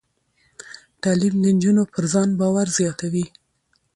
تعلیم د نجونو پر ځان باور زیاتوي.